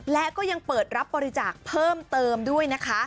และก็ยังเปิดรับบริจาคเพิ่มเติมด้วยนะคะ